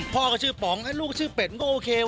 พ่อก็ชื่อป๋องลูกชื่อเป็ดก็โอเค